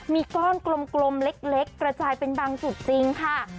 มีก้อนกลมเล็กกระจายเป็นบางจุดจริงค่ะ